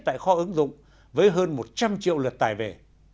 tại kho ứng dụng với hơn một trăm linh triệu lượt tài về